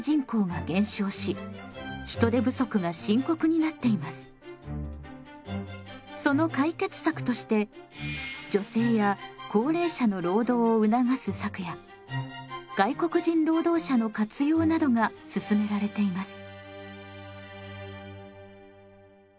現在の労働市場ではその解決策として女性や高齢者の労働を促す策や外国人労働者の活用などが進められています。